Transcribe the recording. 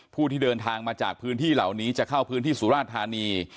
ผู้ที่เดินทางมาจากพื้นที่เหล่านี้จะเข้าพื้นที่สุราธานี